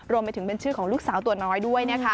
รวมไปถึงเป็นชื่อของลูกสาวตัวน้อยด้วยนะคะ